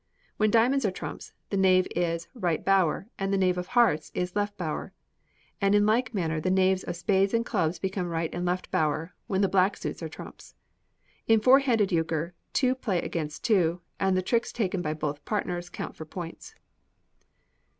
When diamonds are trumps, the knave is right bower, and the knave of hearts left bower; and in like manner the knaves of spades and clubs become right and left bower, when the black suits are trumps. In Four handed Euchre, two play against two, and the tricks taken by both partners count for points.